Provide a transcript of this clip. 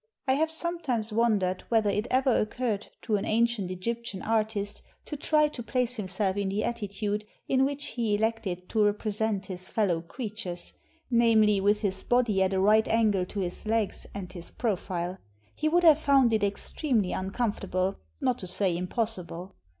I have sometimes wondered whether it ever occurred to an ancient Egyptian artist to try to place himself in the attitude in which he elected to represent his fellow creatures — namely, with his body at a right angle to his legs and his profile. He would have found it extremely uncomfortable, not to say impossible.